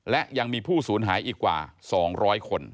และยังมีผู้สูญหายอีกกว่า๒๐๐คน